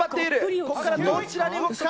ここからどちらに動くか。